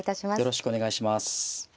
よろしくお願いします。